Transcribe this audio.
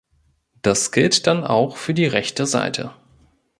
Das gilt dann auch für die rechte Seite.